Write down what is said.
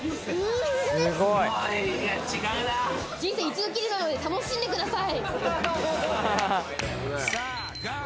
人生一度きりなので楽しんでください。